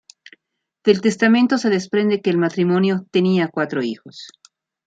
Del testamento se desprende que el matrimonio tenía cuatro hijos.